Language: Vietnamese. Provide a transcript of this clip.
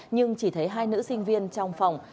nhưng chỉ thấy hai nữ sinh viên trong phòng